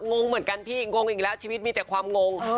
งงเหมือนกันพี่งงอีกแล้วชีวิตมีแต่ความงง